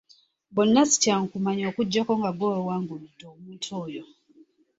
Bonna si kyangu kumanya okuggyako nga ggwe weewangulidde omuntu oyo.